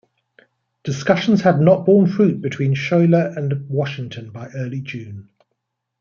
Discussions had not borne fruit between Schuyler and Washington by early June.